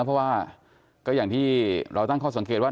เพราะว่าก็อย่างที่เราตั้งข้อสังเกตว่า